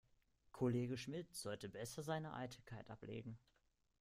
Kollege Schmidt sollte besser seine Eitelkeit ablegen.